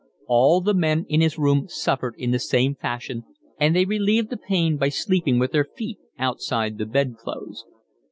All the men in his room suffered in the same fashion, and they relieved the pain by sleeping with their feet outside the bed clothes.